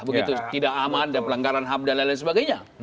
begitu tidak aman dan pelanggaran hamdalah dan sebagainya